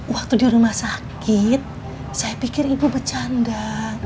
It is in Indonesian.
waktu di rumah sakit saya pikir ibu bercanda